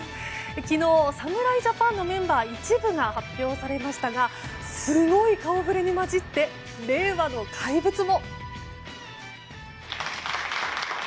昨日、侍ジャパンのメンバー一部が発表されましたがすごい顔ぶれに交じって令和の怪物も。